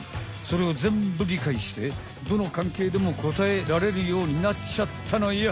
それをぜんぶりかいしてどの関係でも答えられるようになっちゃったのよ。